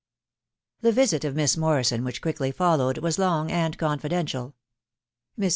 The visit of Miss Morrison, which quickly followed, was long an,d confidential. Mrs.